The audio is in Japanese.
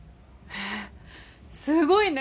えっすごいね！